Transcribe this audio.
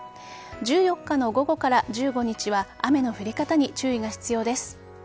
１４日の午後から１５日は雨の降り方に注意が必要です。